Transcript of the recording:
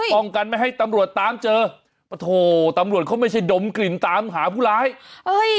ป้องกันไม่ให้ตำรวจตามเจอโอ้โหตำรวจเขาไม่ใช่ดมกลิ่นตามหาผู้ร้ายเอ้ย